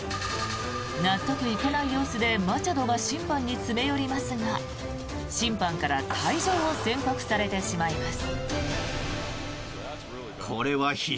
納得いかない様子でマチャドが審判に詰め寄りますが審判から退場を宣告されてしまいます。